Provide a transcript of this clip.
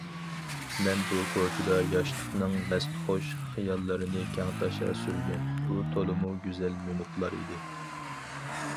مەن بۇ كوچىدا ياشلىقنىڭ مەستخۇش خىياللىرىنى كەڭتاشا سۈرگەن... ئۇ تولىمۇ گۈزەل مىنۇتلار ئىدى.